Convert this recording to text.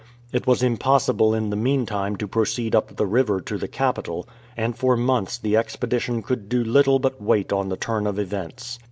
It was impossible in the meantime to proceed up the river to the capital, and for months the expedition could do little but wait on the turn of events.